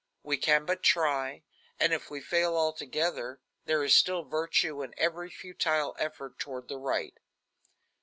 We can but try, and if we fail altogether, there is still virtue in every futile effort toward the right."